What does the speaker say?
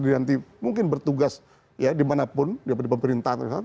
nanti mungkin bertugas ya dimanapun di pemerintahan